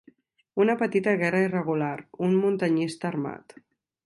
Una petita guerra irregular, un muntanyista armat,